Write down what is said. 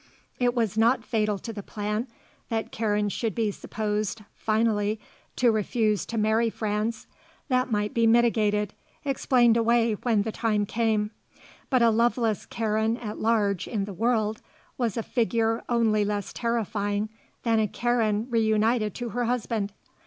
It was not fatal to the plan that Karen should be supposed, finally, to refuse to marry Franz; that might be mitigated, explained away when the time came; but a loveless Karen at large in the world was a figure only less terrifying than a Karen reunited to her husband.